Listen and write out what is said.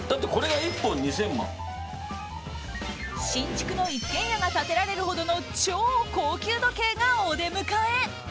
新築の一軒家が建てられるほどの超高級時計がお出迎え。